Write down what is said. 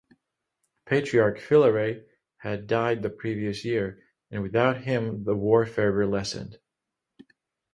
Patriarch Filaret had died the previous year, and without him the war fervour lessened.